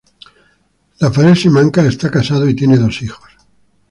Rafael Simancas está casado y tiene dos hijos.